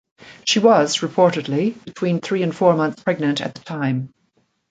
She was, reportedly, between three and four months pregnant at the time.